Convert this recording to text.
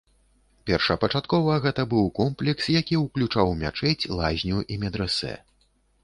Першапачаткова гэта быў комплекс, які ўключаў мячэць, лазню і медрэсэ.